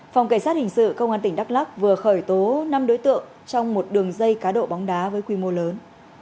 phòng cảnh sát hình sự công an tỉnh đắk lắc vừa khởi tố năm đối tượng trong một đường dây cá độ bóng đá với quy mô lớn